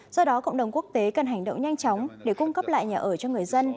do đó cộng đồng quốc tế cần hành động nhanh chóng để cung cấp lại nhà ở cho người dân